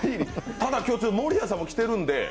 ただ今日、守谷さんも来てるので。